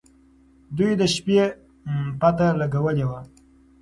دوی د شپې پته لګولې وه.